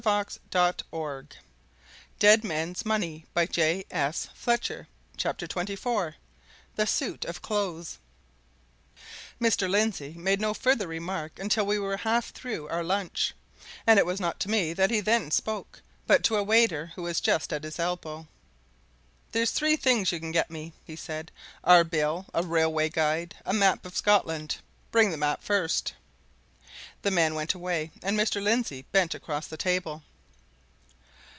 "Aye! but that doesn't prove that the man's dead!" CHAPTER XXIV THE SUIT OF CLOTHES Mr. Lindsey made no further remark until we were half through our lunch and it was not to me that he then spoke, but to a waiter who was just at his elbow. "There's three things you can get me," he said. "Our bill a railway guide a map of Scotland. Bring the map first." The man went away, and Mr. Lindsey bent across the table.